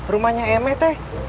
rumahnya eme teh